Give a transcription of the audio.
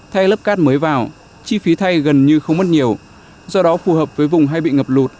thay lớp cát mới vào chi phí thay gần như không mất nhiều do đó phù hợp với vùng hay bị ngập lụt